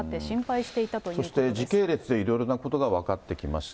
そして時系列でいろいろなことが分かってきました。